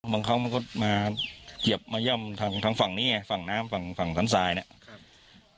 บางเขามันก็มาเกียบมะย่ำทางทางฝั่งนี้ไงฝั่งน้ำฝั่งฝั่งสั้นทรายเนี้ย